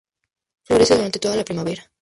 Florece durante toda la primavera.